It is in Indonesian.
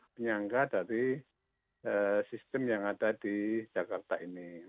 penyangga dari sistem yang ada di jakarta ini